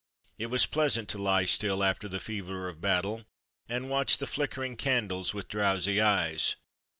It was pleasant to lie still after the fever o,f battle and watch the flickering candles with drowsy eyes.